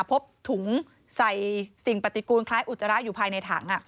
พบถุงใส่สิ่งปฏิกูลคล้ายอุจจาระอยู่ภายในถัง